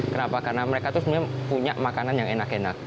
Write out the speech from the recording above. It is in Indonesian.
kenapa karena mereka itu sebenarnya punya makanan yang enak enak